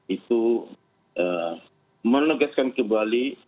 itu eee menegaskan kembali